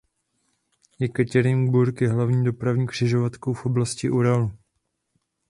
Jekatěrinburg je hlavní dopravní křižovatkou v oblasti Uralu.